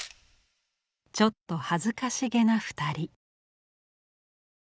ちょっと恥ずかしげな２人。